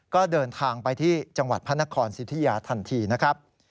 ก็เดินทางไปที่จังหวัดพระนครสิทธิยาทันทีนะครับ